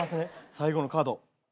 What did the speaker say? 最後のカード。